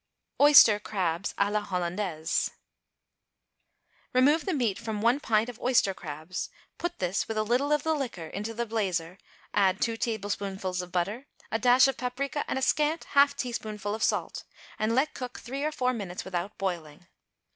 =Oyster Crabs à la Hollandaise.= Remove the meat from one pint of oyster crabs; put this, with a little of the liquor, into the blazer, add two tablespoonfuls of butter, a dash of paprica and a scant half teaspoonful of salt, and let cook three or four minutes without boiling.